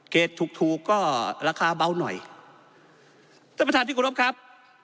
ถูกถูกก็ราคาเบาหน่อยท่านประธานที่กรบครับ